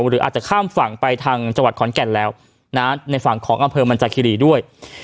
หรืออาจจะข้ามฝั่งไปทางจังหวัดขอนแก่นแล้วนะในฝั่งของอำเภอมันจากคิรีด้วย